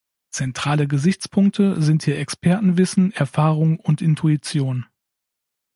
Zentrale Gesichtspunkte sind hier Expertenwissen, Erfahrung und Intuition.